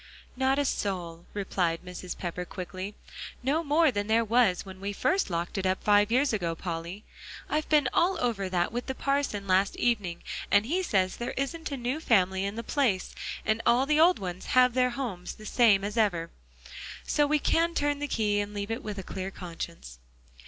"Not a soul," replied Mrs. Pepper, quickly; "no more than there was when we first locked it up five years ago, Polly. I've been all over that with the parson last evening; and he says there isn't a new family in the place, and all the old ones have their homes, the same as ever. So we can turn the key and leave it with a clear conscience."